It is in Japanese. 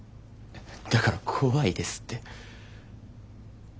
だから怖いですって。